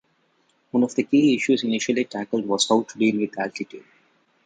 One of the key issues initially tackled was how to deal with altitude.